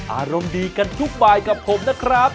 อารมณ์ดีกันทุกบายกับผมนะครับ